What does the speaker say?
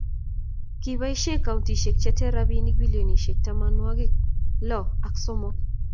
kiboisie kantusiek che ter robinik bilionisiek tamanwokik lo ak somok